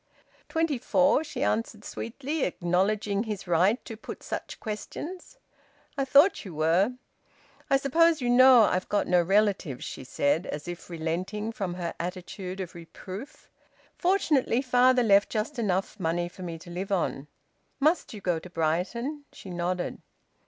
"Twenty four," she answered sweetly, acknowledging his right to put such questions. "I thought you were." "I suppose you know I've got no relatives," she said, as if relenting from her attitude of reproof. "Fortunately, father left just enough money for me to live on." "Must you go to Brighton?" She nodded.